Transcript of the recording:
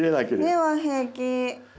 根は平気。